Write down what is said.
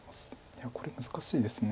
いやこれ難しいです。